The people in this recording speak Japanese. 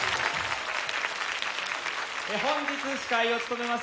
本日司会を務めます